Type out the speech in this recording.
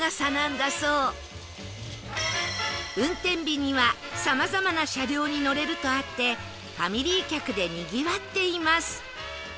運転日にはさまざまな車両に乗れるとあってファミリー客でにぎわっています